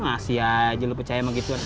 masih aja lo percaya emang gitu